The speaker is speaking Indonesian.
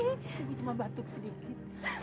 ibu cuma batuk sedikit